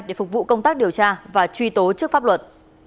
để phục vụ công tác điều tra và truy tố trước pháp luật